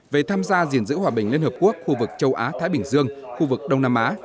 về tham gia diện giữ hòa bình liên hợp quốc khu vực châu á thái bình dương khu vực đông nam á